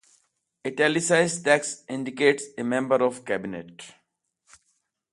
"Italicized text" indicates a member of cabinet.